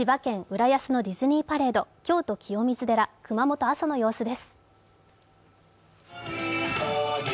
浦安のディズニーパレード、京都・清水寺、熊本・阿蘇の様子です